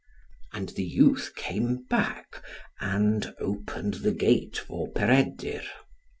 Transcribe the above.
And the youth came back, and opened the gate for Peredur.